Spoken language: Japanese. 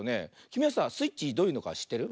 きみはさあスイッチどういうのかしってる？